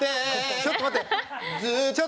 ちょっと待って！